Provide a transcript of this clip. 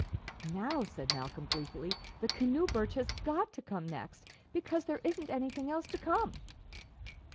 "Now," said Malcolm, gleefully, "the canoe birch has got to come next, because there isn't anything else to come."